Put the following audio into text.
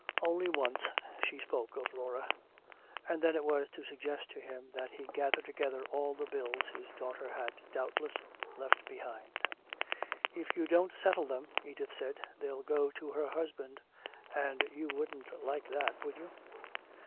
Only once she spoke of Laura, and then it was to suggest to him that he gather together all the bills his daughter had doubtless left behind. "If you don't settle them," Edith said, "they'll go to her husband. And you wouldn't like that, would you?"